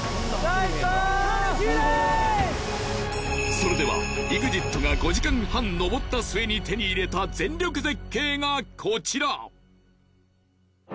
それではＥＸＩＴが５時間半登った末に手に入れた全力絶景がコチラ！